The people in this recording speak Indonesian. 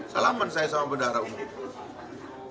salaman saya sama bendara umum